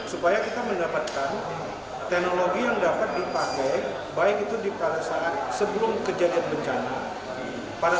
supaya kita mendapatkan teknologi yang dapat dipakai baik itu pada saat sebelum kejadian bencana pada